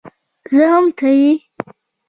زه هم ته يې